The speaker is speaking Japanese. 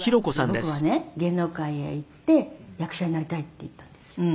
「“僕はね芸能界へ行って役者になりたい”って言ったんですよ」